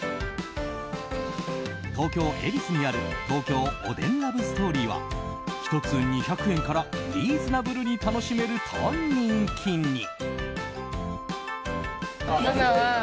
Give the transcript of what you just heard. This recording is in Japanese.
東京・恵比寿にある東京おでんラブストーリーは１つ２００円からリーズナブルに楽しめると人気に。